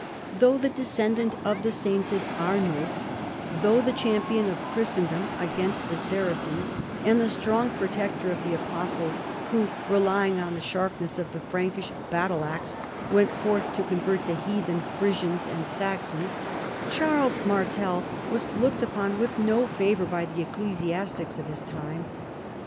Though the descendant of the sainted Arnulf though the champion of Christendom against the Saracens, and tlie strong protector of the " apostles " who, relying on the sharpness of theFrankish battle axe, went forth to convert the heathen Frisians and Saxons, Charles Martel was looked upon with no favor by the ecclesiastics of his time.